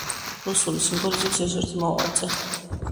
რუსული სიმბოლიზმის ერთ-ერთი წამყვანი მოღვაწე.